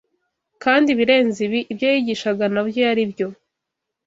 Kandi ibirenze ibi; ibyo yigishaga nabyo yari byo